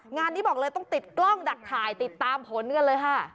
งานนี้บอกเลยต้องติดกล้องดักถ่ายติดตามผล